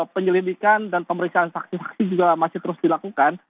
penyelidikan dan pemeriksaan saksi saksi juga masih terus dilakukan